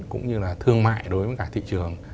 cũng như là thương mại đối với cả thị trường